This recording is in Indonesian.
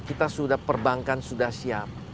kita sudah perbankan sudah siap